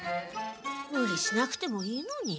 ムリしなくてもいいのに。